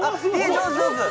上手上手！